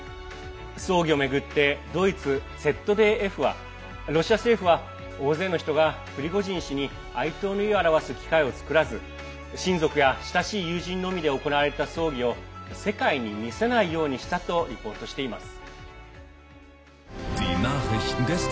葬儀を巡ってドイツＺＤＦはロシア政府は大勢の人がプリゴジン氏に哀悼の意を表す機会を作らず親族や親しい友人のみで行われた葬儀を世界に見せないようにしたとリポートしています。